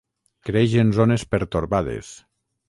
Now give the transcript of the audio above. Creix en zones pertorbades.